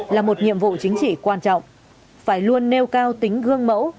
là một nhiệm vụ chính trị quan trọng phải luôn nêu cao tính gương mẫu